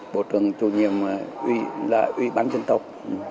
bộ trưởng chủ nhiệm là uy bán dân tộc